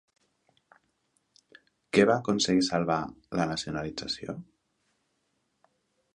Què va aconseguir salvar la nacionalització?